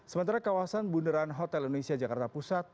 sementara kawasan bundaran hotel indonesia jakarta pusat